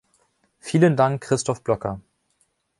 Vielen Dank, Christoph Blocker!